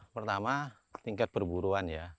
pertama tingkat perburuan ya